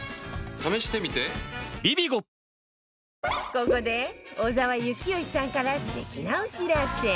ここで小澤征悦さんから素敵なお知らせ